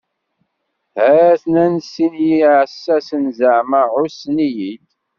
Ha-ten-an sin n yiɛessasen zaɛma ɛussen-iyi-d.